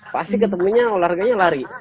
pasti ketemunya olahraganya lari